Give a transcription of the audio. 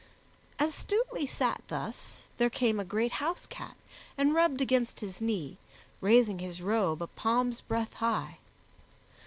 As Stutely sat thus, there came a great house cat and rubbed against his knee, raising his robe a palm's breadth high.